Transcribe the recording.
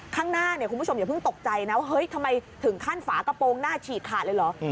ข้างหน้าเนี่ยคุณผู้ชมอย่าเพิ่งตกใจนะว่าเฮ้ยทำไมถึงขั้นฝากระโปรงหน้าฉีกขาดเลยเหรอ